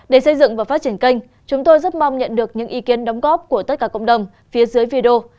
để xây dựng và phát triển kênh chúng tôi rất mong nhận được những ý kiến đóng góp của tất cả cộng đồng phía dưới video